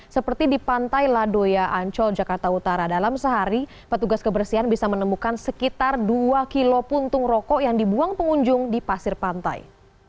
seperti di pantai ladoya ancol jakarta utara dalam sehari petugas kebersihan bisa menemukan sekitar dua kilo puntung rokok yang dibuang pengunjung di pasir pantai